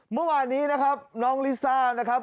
เมื่อวานนี้นะครับน้องลิซ่านะครับ